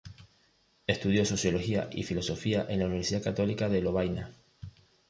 Estudió sociología y filosofía en la Universidad Católica de Lovaina.